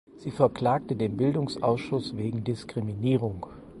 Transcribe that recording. Sie verklagte den Bildungsausschuss wegen Diskriminierung.